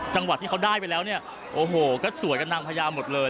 จังหวัดที่เขาได้ไปแล้วเนี่ยโอ้โหก็สวยกับนางพญาหมดเลย